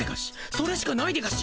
それしかないでガシ。